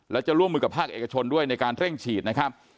และจะร่วมมือกับภาคเอกชนด้วยในการเร่งฉีดนะครับ